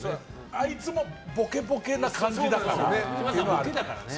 あいつもボケボケな感じだからね。